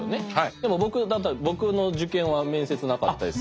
でも僕だったら僕の受験は面接なかったですし。